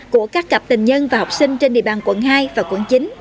của các cặp tình nhân và học sinh trên địa bàn quận hai và quận chín